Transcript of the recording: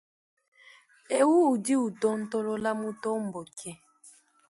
Eu udi utontolola, mutomboke.